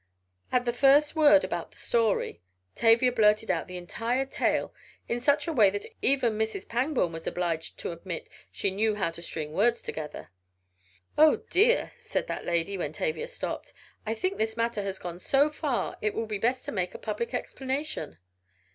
At the first word about the "Story," Tavia blurted out the entire tale in such a way that even Mrs. Pangborn was obliged to admit she "knew how to string words together." "My dear!" said that lady, when Tavia stopped, "I think this matter has gone so far it will be best to make a public explanation."